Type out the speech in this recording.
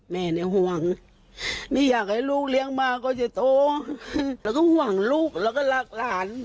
แม่เนี่ยห่วงไม่อยากให้ลูกเลี้ยงมาก็จะโตแล้วก็ห่วงลูกแล้วก็รักหลาน